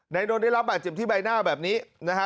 ในโดนได้รับแบบแจ็บที่ใบหน้าแบบนี้นะฮะ